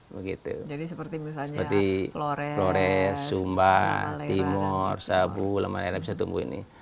jadi seperti misalnya flores sumba timur sabu dan lain lain bisa tumbuh ini